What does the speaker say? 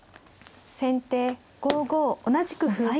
先手５五同じく歩。